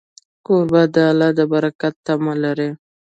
کوربه د الله د برکت تمه لري.